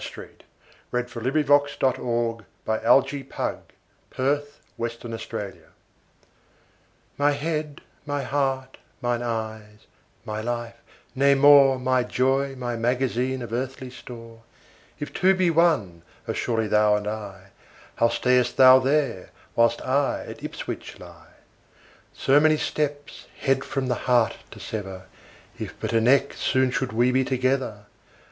S T . U V . W X . Y Z A Letter to Her Husband Absent upon Public Employment MY head, my heart, mine eyes, my life, nay more, My joy, my magazine, of earthly store, If two be one, as surely thou and I, How stayest thou there, whilst I at Ipswich lie? So many steps, head from the heart to sever, If but a neck, soon should we be together.